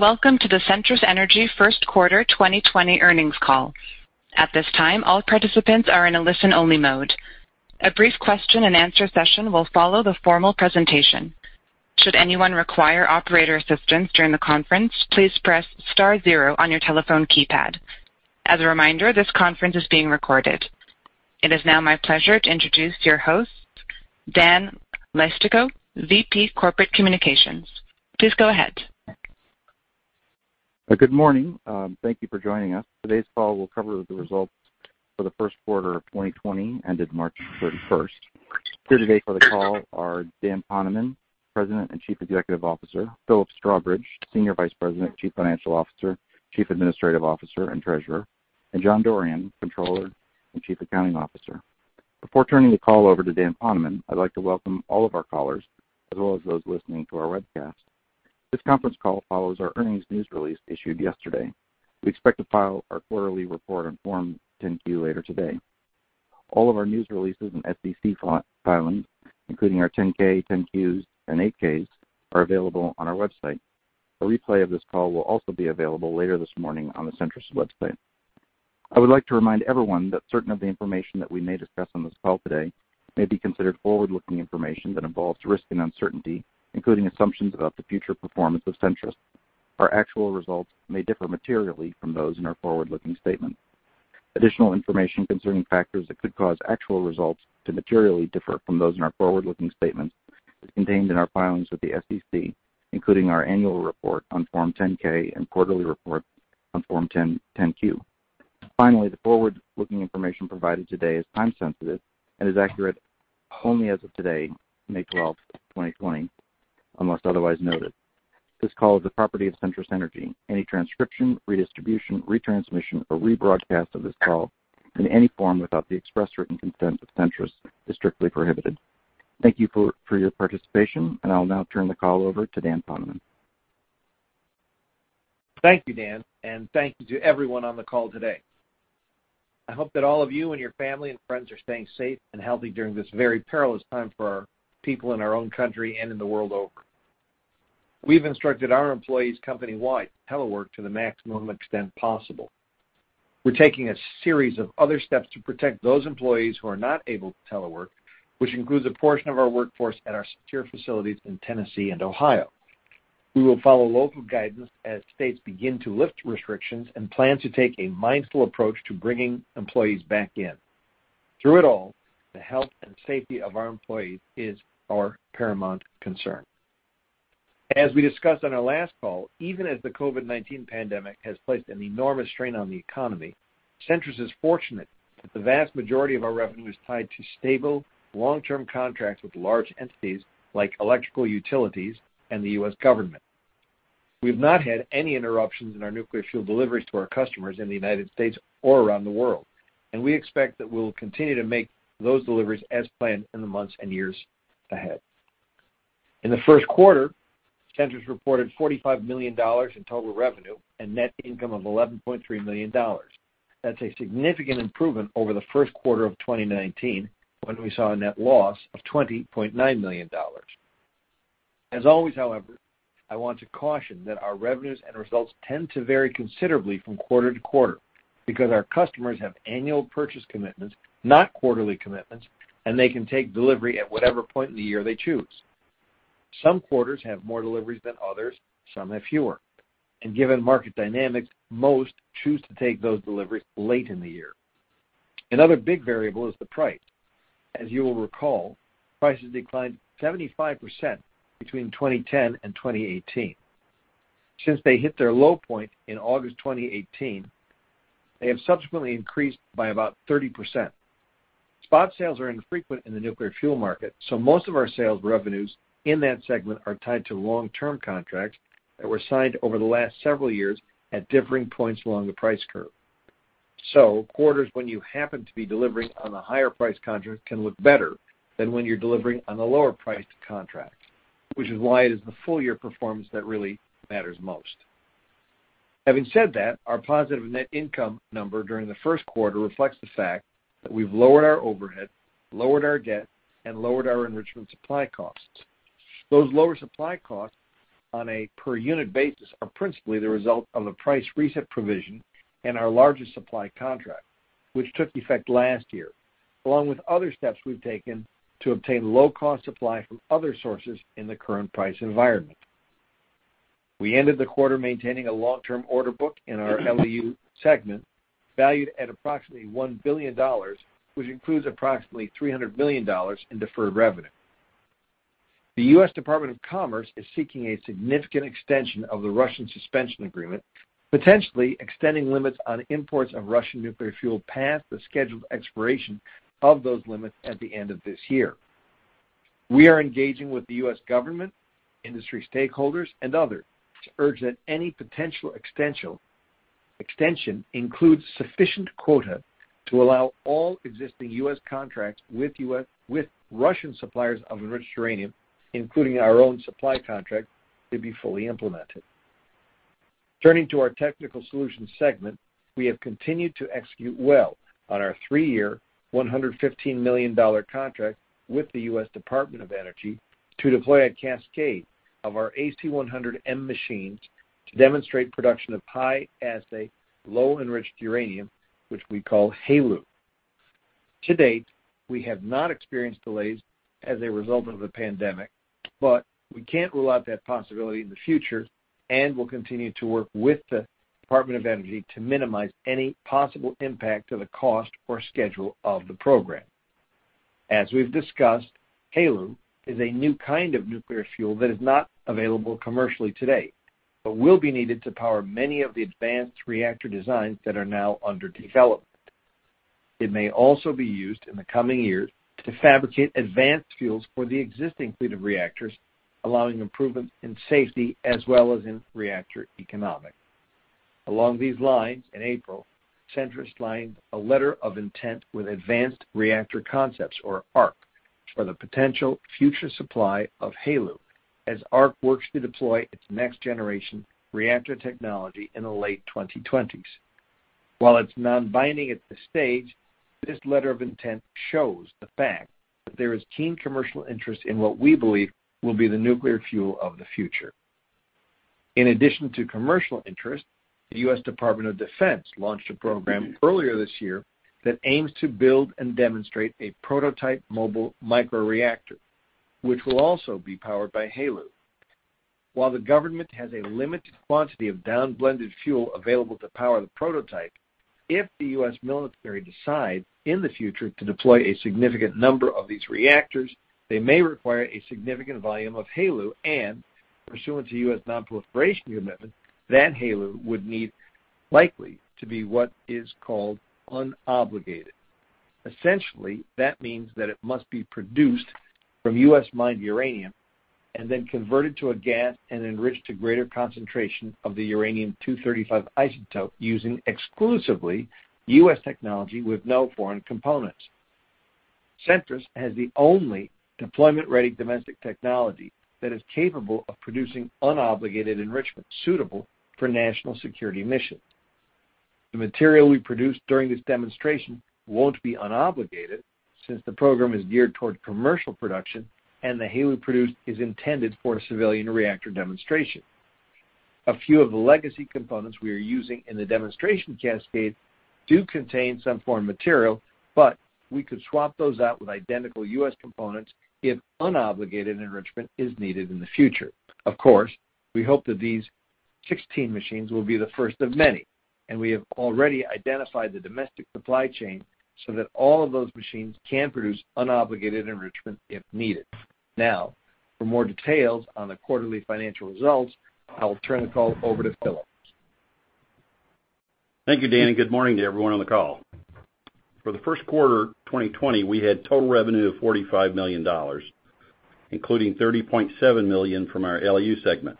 Welcome to the Centrus Energy First Quarter 2020 earnings call. At this time, all participants are in a listen-only mode. A brief question-and-answer session will follow the formal presentation. Should anyone require operator assistance during the conference, please press star zero on your telephone keypad. As a reminder, this conference is being recorded. It is now my pleasure to introduce your host, Dan Leistikow, VP Corporate Communications. Please go ahead. Good morning. Thank you for joining us. Today's call will cover the results for the first quarter of 2020 ended March 31st. Here today for the call are Dan Poneman, President and Chief Executive Officer, Philip Strawbridge, Senior Vice President, Chief Financial Officer, Chief Administrative Officer, and Treasurer, and John Dorrian, Controller and Chief Accounting Officer. Before turning the call over to Dan Poneman, I'd like to welcome all of our callers as well as those listening to our webcast. This conference call follows our earnings news release issued yesterday. We expect to file our quarterly report on Form 10-Q later today. All of our news releases and SEC filings, including our 10-K, 10-Qs, and 8-Ks, are available on our website. A replay of this call will also be available later this morning on the Centrus website. I would like to remind everyone that certain of the information that we may discuss on this call today may be considered forward-looking information that involves risk and uncertainty, including assumptions about the future performance of Centrus. Our actual results may differ materially from those in our forward-looking statements. Additional information concerning factors that could cause actual results to materially differ from those in our forward-looking statements is contained in our filings with the SEC, including our annual report on Form 10-K and quarterly report on Form 10-Q. Finally, the forward-looking information provided today is time-sensitive and is accurate only as of today, May 12th, 2020, unless otherwise noted. This call is the property of Centrus Energy. Any transcription, redistribution, retransmission, or rebroadcast of this call in any form without the express written consent of Centrus is strictly prohibited. Thank you for your participation, and I'll now turn the call over to Dan Poneman. Thank you, Dan, and thank you to everyone on the call today. I hope that all of you and your family and friends are staying safe and healthy during this very perilous time for our people in our own country and in the world over. We've instructed our employees company-wide to telework to the maximum extent possible. We're taking a series of other steps to protect those employees who are not able to telework, which includes a portion of our workforce at our secure facilities in Tennessee and Ohio. We will follow local guidance as states begin to lift restrictions and plan to take a mindful approach to bringing employees back in. Through it all, the health and safety of our employees is our paramount concern. As we discussed on our last call, even as the COVID-19 pandemic has placed an enormous strain on the economy, Centrus is fortunate that the vast majority of our revenue is tied to stable, long-term contracts with large entities like electrical utilities and the U.S. government. We've not had any interruptions in our nuclear fuel deliveries to our customers in the United States or around the world, and we expect that we'll continue to make those deliveries as planned in the months and years ahead. In the first quarter, Centrus reported $45 million in total revenue and net income of $11.3 million. That's a significant improvement over the first quarter of 2019 when we saw a net loss of $20.9 million. As always, however, I want to caution that our revenues and results tend to vary considerably from quarter to quarter because our customers have annual purchase commitments, not quarterly commitments, and they can take delivery at whatever point in the year they choose. Some quarters have more deliveries than others. Some have fewer. And given market dynamics, most choose to take those deliveries late in the year. Another big variable is the price. As you will recall, prices declined 75% between 2010 and 2018. Since they hit their low point in August 2018, they have subsequently increased by about 30%. Spot sales are infrequent in the nuclear fuel market, so most of our sales revenues in that segment are tied to long-term contracts that were signed over the last several years at differing points along the price curve. So quarters when you happen to be delivering on a higher price contract can look better than when you're delivering on a lower priced contract, which is why it is the full-year performance that really matters most. Having said that, our positive net income number during the first quarter reflects the fact that we've lowered our overhead, lowered our debt, and lowered our enrichment supply costs. Those lower supply costs on a per-unit basis are principally the result of the price reset provision in our largest supply contract, which took effect last year, along with other steps we've taken to obtain low-cost supply from other sources in the current price environment. We ended the quarter maintaining a long-term order book in our LEU segment valued at approximately $1 billion, which includes approximately $300 million in deferred revenue. The U.S. Department of Commerce is seeking a significant extension of the Russian Suspension Agreement, potentially extending limits on imports of Russian nuclear fuel past the scheduled expiration of those limits at the end of this year. We are engaging with the U.S. government, industry stakeholders, and others to urge that any potential extension includes sufficient quota to allow all existing U.S. contracts with Russian suppliers of enriched uranium, including our own supply contract, to be fully implemented. Turning to our technical solutions segment, we have continued to execute well on our three-year, $115 million contract with the U.S. Department of Energy to deploy a cascade of our AC-100M machines to demonstrate production of high-assay, low-enriched uranium, which we call HALEU. To date, we have not experienced delays as a result of the pandemic, but we can't rule out that possibility in the future and will continue to work with the Department of Energy to minimize any possible impact to the cost or schedule of the program. As we've discussed, HALEU is a new kind of nuclear fuel that is not available commercially today but will be needed to power many of the advanced reactor designs that are now under development. It may also be used in the coming years to fabricate advanced fuels for the existing fleet of reactors, allowing improvements in safety as well as in reactor economics. Along these lines, in April, Centrus signed a letter of intent with Advanced Reactor Concepts, or ARC, for the potential future supply of HALEU as ARC works to deploy its next-generation reactor technology in the late 2020s. While it's non-binding at this stage, this letter of intent shows the fact that there is keen commercial interest in what we believe will be the nuclear fuel of the future. In addition to commercial interest, the U.S. Department of Defense launched a program earlier this year that aims to build and demonstrate a prototype mobile microreactor, which will also be powered by HALEU. While the government has a limited quantity of downblended fuel available to power the prototype, if the U.S. military decides in the future to deploy a significant number of these reactors, they may require a significant volume of HALEU, and pursuant to U.S. non-proliferation commitments, that HALEU would need likely to be what is called unobligated. Essentially, that means that it must be produced from U.S.-mined uranium and then converted to a gas and enriched to greater concentration of the uranium-235 isotope using exclusively U.S. technology with no foreign components. Centrus has the only deployment-ready domestic technology that is capable of producing unobligated enrichment suitable for national security missions. The material we produce during this demonstration won't be unobligated since the program is geared toward commercial production and the HALEU produced is intended for a civilian reactor demonstration. A few of the legacy components we are using in the demonstration cascade do contain some foreign material, but we could swap those out with identical U.S. components if unobligated enrichment is needed in the future. Of course, we hope that these 16 machines will be the first of many, and we have already identified the domestic supply chain so that all of those machines can produce unobligated enrichment if needed. Now, for more details on the quarterly financial results, I will turn the call over to Philip. Thank you, Dan, and good morning to everyone on the call. For the first quarter 2020, we had total revenue of $45 million, including $30.7 million from our LEU segment.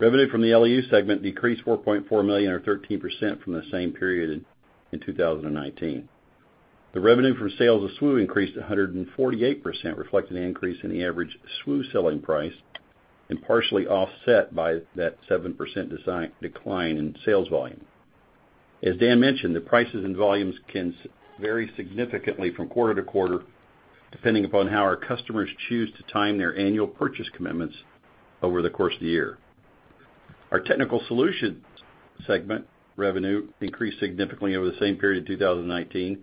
Revenue from the LEU segment decreased $4.4 million, or 13%, from the same period in 2019. The revenue from sales of SWU increased 148%, reflecting an increase in the average SWU selling price and partially offset by that 7% decline in sales volume. As Dan mentioned, the prices and volumes can vary significantly from quarter to quarter depending upon how our customers choose to time their annual purchase commitments over the course of the year. Our technical solutions segment revenue increased significantly over the same period in 2019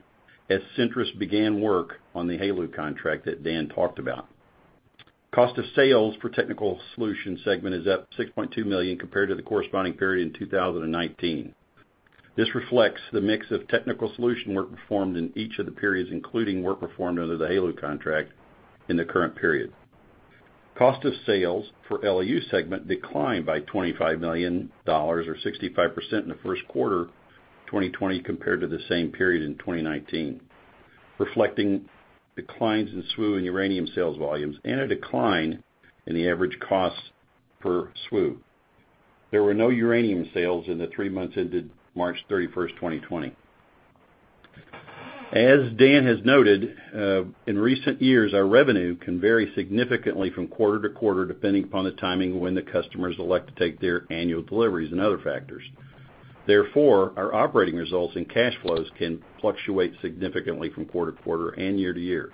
as Centrus began work on the HALEU contract that Dan talked about. Cost of sales for technical solutions segment is up $6.2 million compared to the corresponding period in 2019. This reflects the mix of technical solution work performed in each of the periods, including work performed under the HALEU contract in the current period. Cost of sales for LEU segment declined by $25 million, or 65% in the first quarter 2020 compared to the same period in 2019, reflecting declines in SWU and uranium sales volumes and a decline in the average cost per SWU. There were no uranium sales in the three months ended March 31st, 2020. As Dan has noted, in recent years, our revenue can vary significantly from quarter to quarter depending upon the timing when the customers elect to take their annual deliveries and other factors. Therefore, our operating results and cash flows can fluctuate significantly from quarter to quarter and year to year.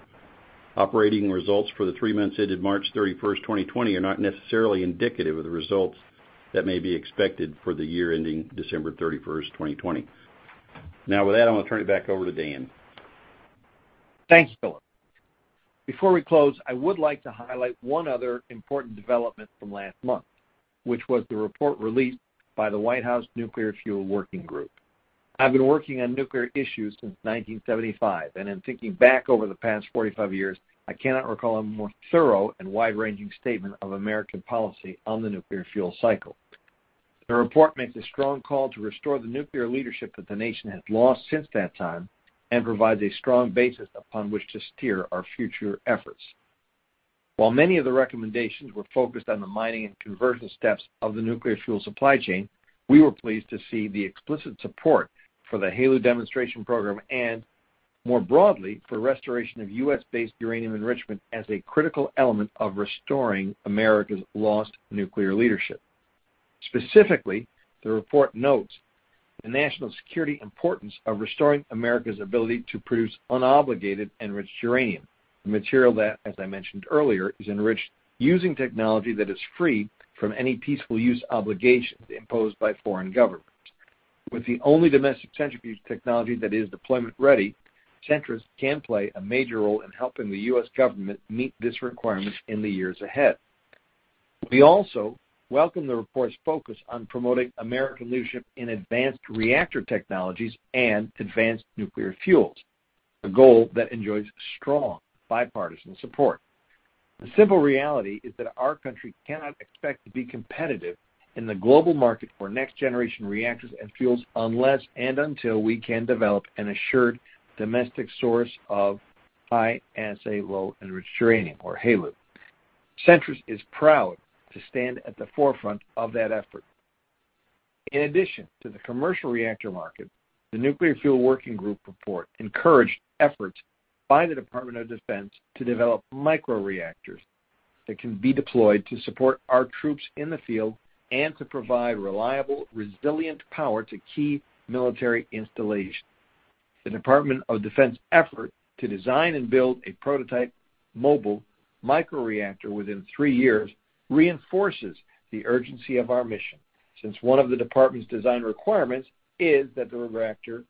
Operating results for the three months ended March 31st, 2020 are not necessarily indicative of the results that may be expected for the year ending December 31st, 2020. Now, with that, I'm going to turn it back over to Dan. Thank you, Philip. Before we close, I would like to highlight one other important development from last month, which was the report released by the White House Nuclear Fuel Working Group. I've been working on nuclear issues since 1975, and in thinking back over the past 45 years, I cannot recall a more thorough and wide-ranging statement of American policy on the nuclear fuel cycle. The report makes a strong call to restore the nuclear leadership that the nation has lost since that time and provides a strong basis upon which to steer our future efforts. While many of the recommendations were focused on the mining and conversion steps of the nuclear fuel supply chain, we were pleased to see the explicit support for the HALEU demonstration program and, more broadly, for restoration of U.S.-based uranium enrichment as a critical element of restoring America's lost nuclear leadership. Specifically, the report notes the national security importance of restoring America's ability to produce unobligated enriched uranium, a material that, as I mentioned earlier, is enriched using technology that is free from any peaceful use obligation imposed by foreign governments. With the only domestic centrifuge technology that is deployment-ready, Centrus can play a major role in helping the U.S. government meet this requirement in the years ahead. We also welcome the report's focus on promoting American leadership in advanced reactor technologies and advanced nuclear fuels, a goal that enjoys strong bipartisan support. The simple reality is that our country cannot expect to be competitive in the global market for next-generation reactors and fuels unless and until we can develop an assured domestic source of high-assay, low-enriched uranium, or HALEU. Centrus is proud to stand at the forefront of that effort. In addition to the commercial reactor market, the Nuclear Fuel Working Group report encouraged efforts by the Department of Defense to develop microreactors that can be deployed to support our troops in the field and to provide reliable, resilient power to key military installations. The Department of Defense effort to design and build a prototype mobile microreactor within three years reinforces the urgency of our mission since one of the department's design requirements is that the reactor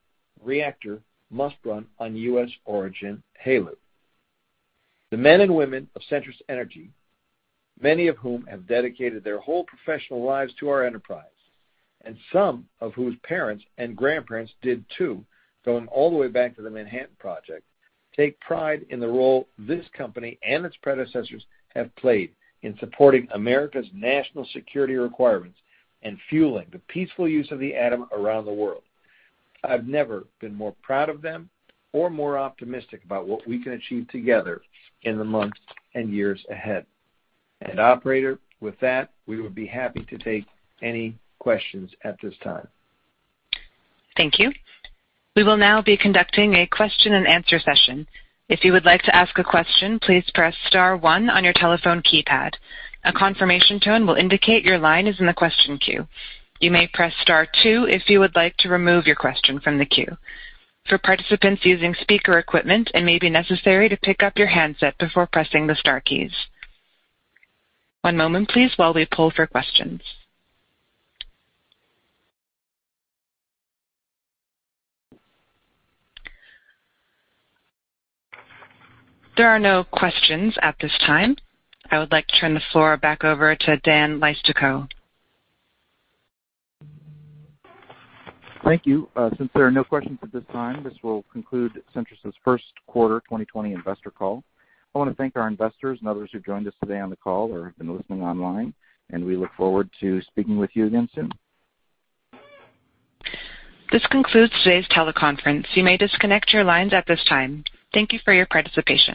must run on U.S. origin HALEU. The men and women of Centrus Energy, many of whom have dedicated their whole professional lives to our enterprise, and some of whose parents and grandparents did too, going all the way back to the Manhattan Project, take pride in the role this company and its predecessors have played in supporting America's national security requirements and fueling the peaceful use of the atom around the world. I've never been more proud of them or more optimistic about what we can achieve together in the months and years ahead. And, Operator, with that, we would be happy to take any questions at this time. Thank you. We will now be conducting a question-and-answer session. If you would like to ask a question, please press Star 1 on your telephone keypad. A confirmation tone will indicate your line is in the question queue. You may press Star 2 if you would like to remove your question from the queue. For participants using speaker equipment, it may be necessary to pick up your handset before pressing the Star keys. One moment, please, while we pull for questions. There are no questions at this time. I would like to turn the floor back over to Dan Leistikow. Thank you. Since there are no questions at this time, this will conclude Centrus's first quarter 2020 investor call. I want to thank our investors and others who've joined us today on the call or have been listening online, and we look forward to speaking with you again soon. This concludes today's teleconference. You may disconnect your lines at this time. Thank you for your participation.